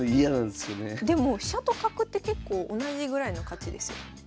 でも飛車と角って結構同じぐらいの価値ですよ。